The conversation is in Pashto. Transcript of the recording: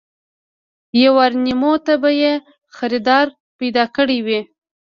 يوارنيمو ته به يې خريدار پيدا کړی وي.